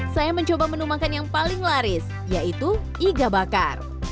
saya mencoba menu makan yang paling laris yaitu iga bakar